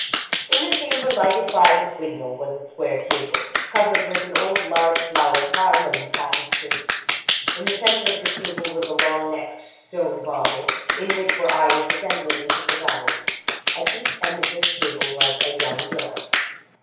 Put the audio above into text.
In the chamber lighted by this window, was a square table, covered with an old large flowered Haarlem tapestry; in the center of this table was a long necked stone bottle, in which were irises and lilies of the valley; at each end of this table was a young girl.